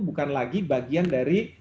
bukan lagi bagian dari